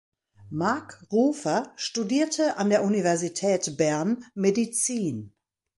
Marc Rufer studierte an der Universität Bern Medizin.